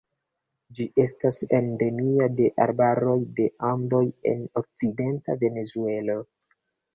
Ĝi estas endemia de arbaroj de Andoj en okcidenta Venezuelo.